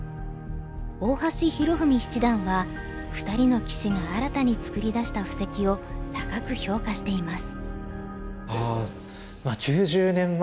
大橋拓文七段は２人の棋士が新たに作り出した布石を高く評価しています。